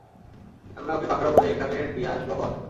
আমরা ওকে পাকড়াও করে এখানে নিয়ে আসবোখন।